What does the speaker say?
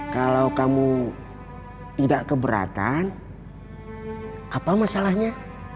kalau kamu tidak keberatan apa masalahnya